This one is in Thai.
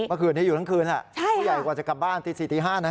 เมื่อคืนนี้อยู่ทั้งคืนผู้ใหญ่กว่าจะกลับบ้านตี๔ตี๕